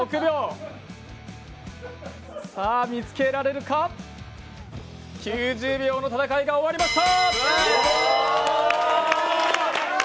見つけられるか、９０秒の戦いが終わりました。